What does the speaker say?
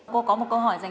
cô có một câu hỏi ra